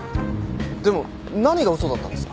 でも何が嘘だったんですか？